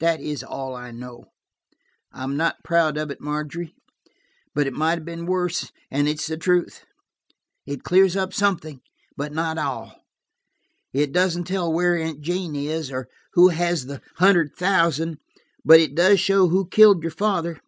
"That is all I know. I'm not proud of it, Margery, but it might have been worse, and it's the truth. It clears up something, but not all. It doesn't tell where Aunt Jane is, or who has the hundred thousand. But it does show who killed your father.